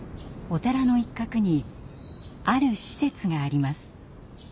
お寺の一角にある施設があります。